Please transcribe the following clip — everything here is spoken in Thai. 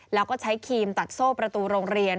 แล้วก็ใช้ครีมตัดโซ่ประตูโรงเรียน